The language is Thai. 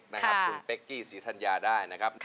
คุณเป๊กกิซีธัญญาได้นะครับ